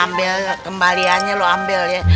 ambil kembaliannya lo ambil ya